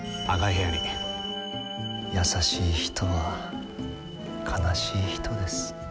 優しい人は悲しい人です。